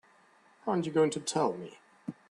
Aren't you going to tell me?